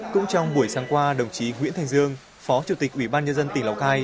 cũng trong buổi sáng qua đồng chí nguyễn thành dương phó chủ tịch ủy ban nhân dân tỉnh lào cai